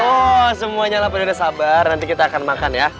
oh semuanya lapar udah sabar nanti kita akan makan ya